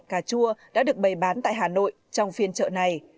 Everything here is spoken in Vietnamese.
cà chua đã được bày bán tại hà nội trong phiên chợ này